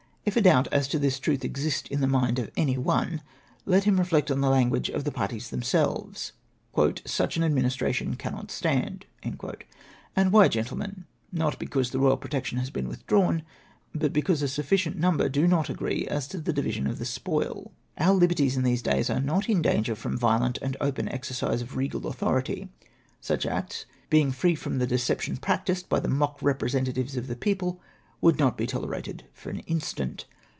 If a doubt as to this truth exist in the mind of any one, let him reflect on the language of the parties themselves, ' Such an administration cannot stand.' And why, Grentlemen ?— not because the royal protection has been withdrawn, but because a sufficient number do not agree as to the division of the spoil. Om liberties in these days are not in danger from violent and open exercise of regal authority ; such acts, being free from the deception practised by the mock representatives of the people, would not be tolerated for an instant.